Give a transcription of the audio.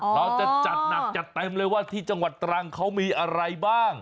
เราจะจัดหนักจัดเต็มเลยว่าที่จังหวัดตรังเขามีอะไรบ้าง